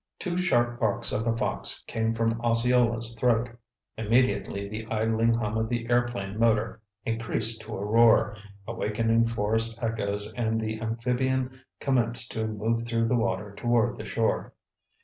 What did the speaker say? Two sharp barks of a fox came from Osceola's throat. Immediately the idling hum of the airplane motor increased to a roar, awakening forest echoes and the amphibian commenced to move through the water toward the shore.